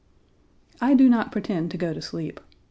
I do not pretend to go to sleep.